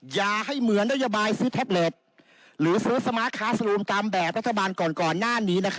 อย่าให้เหมือนนโยบายซื้อแท็บเล็ตหรือซื้อสมาร์ทคาสรูมตามแบบรัฐบาลก่อนหน้านี้